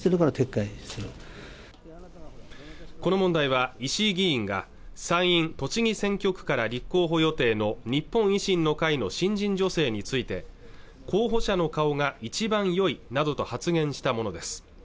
この問題は石井議員が参院・栃木選挙区から立候補予定の日本維新の会の新人女性について候補者の顔が一番良いなどと発言したものです